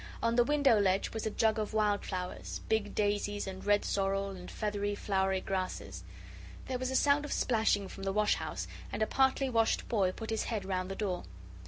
On the window ledge was a jug of wild flowers, big daisies, and red sorrel, and feathery, flowery grasses. There was a sound of splashing from the wash house, and a partly washed boy put his head round the door.